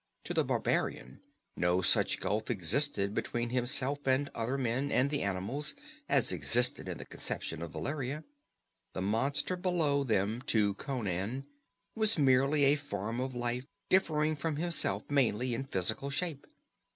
To the barbarian, no such gulf existed between himself and other men, and the animals, as existed in the conception of Valeria. The monster below them, to Conan, was merely a form of life differing from himself mainly in physical shape.